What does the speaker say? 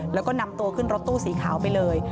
แล้วก็นำตัวขึ้นรถตู้สีขาวไปเลย